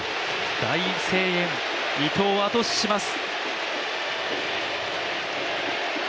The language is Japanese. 大声援、伊藤を後押しします。